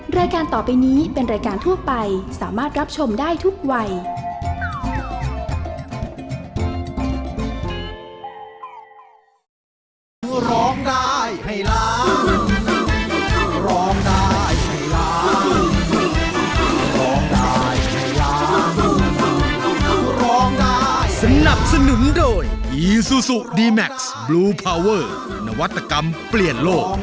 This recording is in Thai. รายการต่อไปนี้เป็นรายการทั่วไปสามารถรับชมได้ทุกวัย